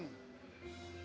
jadi konsep aerodinamis